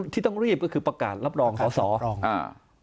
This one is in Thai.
ที่ต้องรีบก็คือประกาศรับรองสอบ